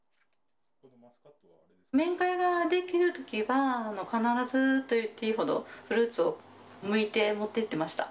面会ができるときは必ずといっていいほど、フルーツをむいて持ってってました。